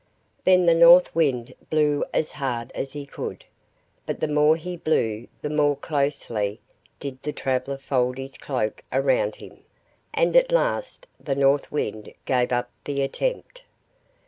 Then the North Wind blew as hard as he could, but the more he blew the more closely did the traveler fold his cloak around him; and at last the North Wind gave up the attempt.